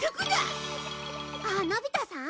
あっのび太さん？